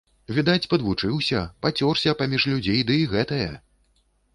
Відаць падвучыўся, пацёрся паміж людзей ды і гэтае!